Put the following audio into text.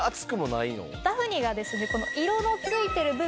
ダフニがですね